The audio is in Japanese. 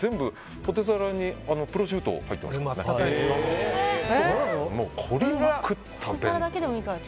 ポテサラにプロシュート入ってますからね。